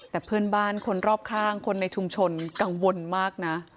แต่เพื่อนบ้านคนรอบข้างคนในชุมชนกังวลมากนะ